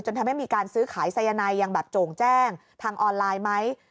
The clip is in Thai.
จนทำให้มีการซื้อขายไซยันไนอย่างโจงแจ้งทางออนไลน์ไหม